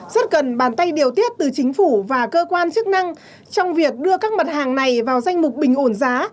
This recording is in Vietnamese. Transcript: rất cần bàn tay điều tiết từ chính phủ và cơ quan chức năng trong việc đưa các mặt hàng này vào danh mục bình ổn giá